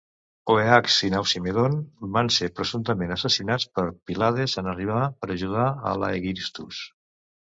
Oeax i Nausimedon van ser presumptament assassinats per Pylades en arribar per ajudar l"Aegisthus.